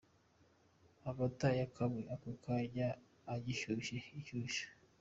Amata yakamwe ako kanya agishyushye : Inshyushyu.